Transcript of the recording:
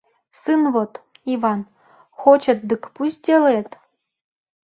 Сын вот, Иван, хочет дык пусть делает.